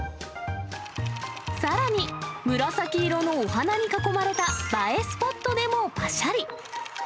さらに、紫色のお花に囲まれた映えスポットでもぱしゃり。